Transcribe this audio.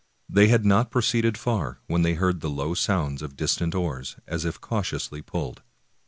They had not proceeded far when they heard the low sounds of distant oars, as if cautiously pulled.